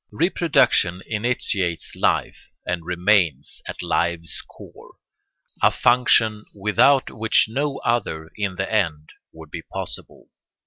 Reproduction initiates life and remains at life's core, a function without which no other, in the end, would be possible.